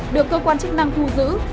được cơ quan chức năng thu giữ